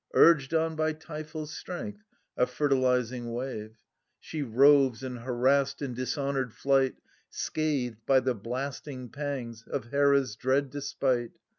Urged on by Typho's strength, a fertilizing wave), She roves, in harassed and dishonoured flight, Scathed .h^ the blasting pangs of Hera's dread despite.